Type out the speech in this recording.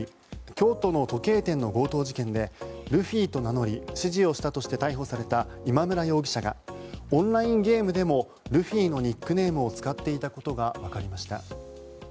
京都の時計店の強盗事件でルフィと名乗り指示をしたとして逮捕された今村容疑者がオンラインゲームでもルフィのニックネームを使っていたことがわかりました。